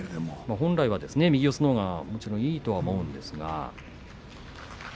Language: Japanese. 本来は右四つのほうがいいと思うんですが。